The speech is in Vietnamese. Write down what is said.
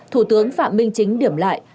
thủ tướng phạm minh chính điểm lại